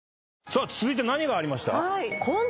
さあ続いて何がありました？